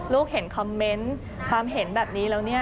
เห็นคอมเมนต์ความเห็นแบบนี้แล้วเนี่ย